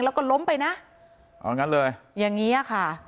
แล้วก็ล้มไปนะอย่างนี้ค่ะ